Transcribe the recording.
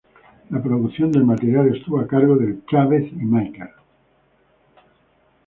La producción del material estuvo a cargo de El Chávez y Maikel.